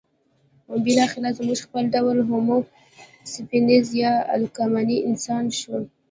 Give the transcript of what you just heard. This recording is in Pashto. بالاخره زموږ خپل ډول هومو سیپینز یا عقلمن انسان شو.